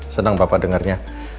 senang bapak dengarnya